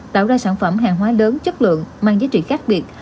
tạo ra sản phẩm hàng hóa lớn chất lượng mang giá trị khác biệt